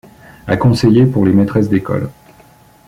A conseiller pour les maîtresses d'école